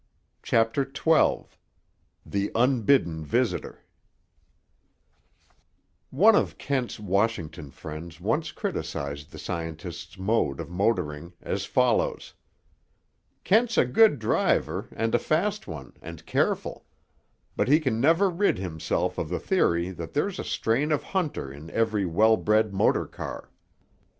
CHAPTER XII—THE UNBIDDEN VISITOR One of Kent's Washington friends once criticized the scientist's mode of motoring, as follows: "Kent's a good driver, and a fast one, and careful; but he can never rid himself of the theory that there's a strain of hunter in every well bred motor car."